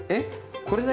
これだけ？